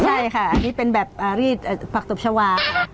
ใช่ค่ะนี่เป็นแบบรีดผักตบชาวา